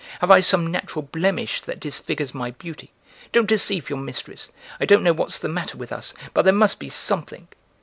Have I some natural blemish that disfigures my beauty? Don't deceive your mistress! I don't know what's the matter with us, but there must be something!"